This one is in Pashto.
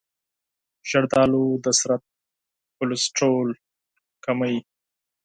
زردآلو د بدن کلسترول کموي.